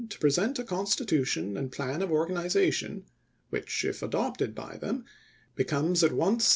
s*of to present a constitution and plan of organization, "Theun which, if adopted by them, becomes at once their conditional